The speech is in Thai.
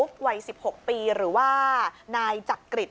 สวัสดีครับสวัสดีครับ